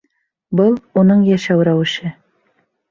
Был — уның йәшәү рәүеше.